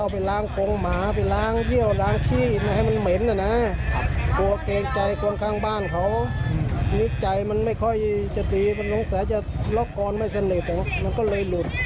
แบบนี้ก็เลยหลุด